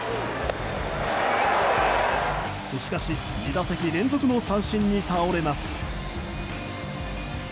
しかし、２打席連続の三振に倒れます。